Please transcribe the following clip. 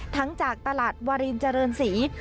จากตลาดวารินเจริญศรี